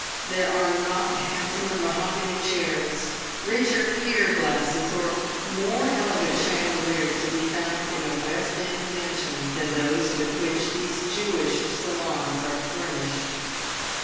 There are not handsomer mahogany chairs, richer pier glasses, or more elegant chandeliers to be found in a West end mansion than those with which these Jewish salons are furnished.